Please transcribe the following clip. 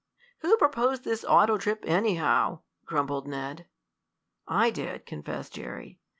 "Who proposed this auto trip, anyhow?" grumbled Ned. "I did," confessed Jerry.